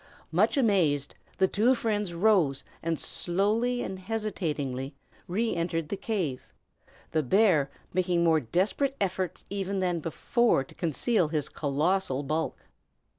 Much amazed, the two friends rose, and slowly and hesitatingly re entered the cave, the bear making more desperate efforts even than before to conceal his colossal bulk.